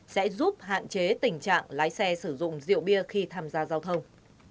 sẽ giúp hạn chế tình trạng lái xe sử dụng rượu bia khi tham gia giao thông